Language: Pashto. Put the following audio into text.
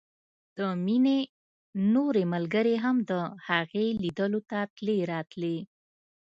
د مينې نورې ملګرې هم د هغې ليدلو ته تلې راتلې